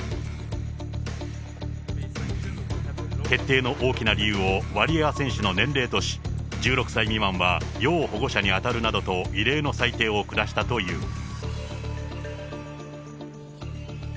決定の大きな理由を、ワリエワ選手の年齢とし、１６歳未満は要保護者に当たるなどの異例の裁定を下したという。